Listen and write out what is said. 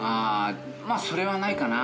あそれはないかな。